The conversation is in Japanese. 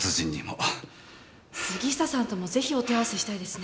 杉下さんともぜひお手合わせしたいですね。